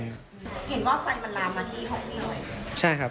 เห็นว่าไฟมันลามมาที่ห้องนี้ไหม